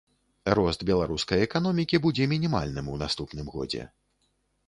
Рост беларускай эканомікі будзе мінімальным у наступным годзе.